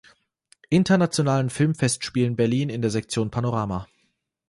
Internationalen Filmfestspielen Berlin in der Sektion Panorama.